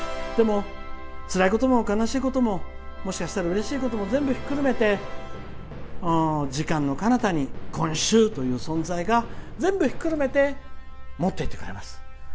でも、つらいことも悲しいことももしかしたら、うれしいこともひっくるめて全部時間のかなたに今週という存在が全部ひっくるめて持っていってくれます。